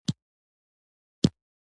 له لويو نعمتونو څخه دى.